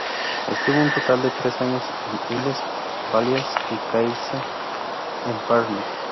Estuvo un total de tres años en Illes Balears y Caisse d´Epargne.